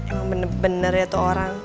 emang bener bener ya tuh orang